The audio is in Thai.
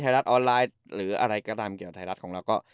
รัฐออนไลน์หรืออะไรก็ตามเกี่ยวกับไทยรัฐของเราก็